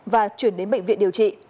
và chuyển đến bệnh viện điều trị